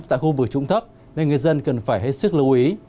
tại khu vực trụng thấp nên người dân cần phải hết sức lưu ý